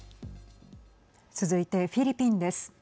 続いて、フィリピンです。